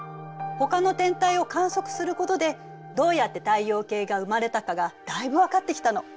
ほかの天体を観測することでどうやって太陽系が生まれたかがだいぶ分かってきたの。